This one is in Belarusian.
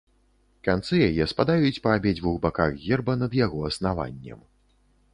Канцы яе спадаюць па абедзвюх баках герба над яго аснаваннем.